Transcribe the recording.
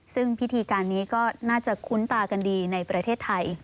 ซึ่งพิธีการนี้ก็น่าจะคุ้นตากันดีในประเทศไทย